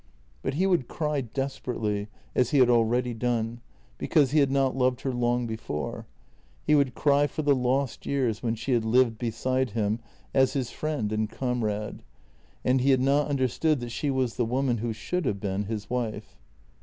But he would cry desperately, as he had already done, be cause he had not loved her long before; he would cry for the lost years when she had lived beside him as his friend and comrade and he had not understood that she was the woman who should have been his wife.